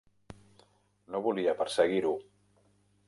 No volia perseguir-ho.